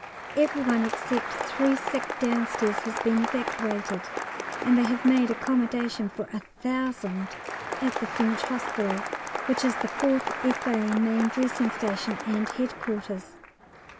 Every one except three sick downstairs has been evacuated, and they have made accommodation for 1000 at the French Hospital, which is the 4th F.A. main dressing station, and headquarters.